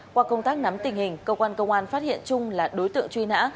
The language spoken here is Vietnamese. qua công tác nắm tình hình cơ quan công an phát hiện trung là đối tượng truy nã